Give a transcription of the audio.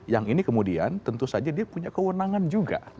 yang ini kemudian tentu saja dia punya kewenangan juga